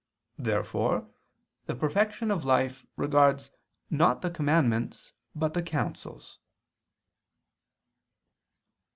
Therefore the perfection of life regards not the commandments but the counsels.